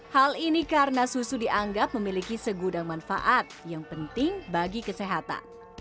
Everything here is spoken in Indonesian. hal ini karena susu dianggap memiliki segudang manfaat yang penting bagi kesehatan